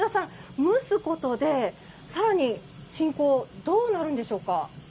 蒸すことでさらに志んこどうなるんでしょうか？